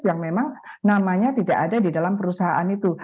yang memang namanya tidak ada di dalam perusahaan itu